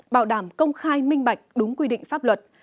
bảo đảm công khai minh bạch đúng quy định pháp luật